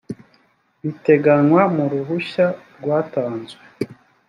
biteganywa mu ruhushya rwatanzwe